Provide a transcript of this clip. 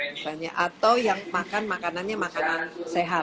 misalnya atau yang makan makanannya makanan sehat